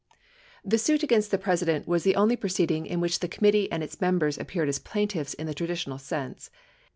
The suit against the President was the only proceeding in which the committee and its members appeared as plaintiffs in the traditional sense.